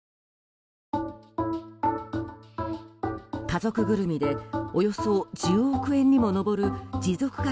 家族ぐるみでおよそ１０億円にも上る持続化